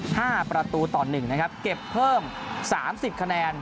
ห้าประตูต่อหนึ่งนะครับเก็บเพิ่มสามสิบคะแนน